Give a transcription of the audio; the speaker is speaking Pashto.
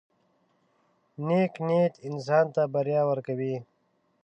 • نیک نیت انسان ته بریا ورکوي.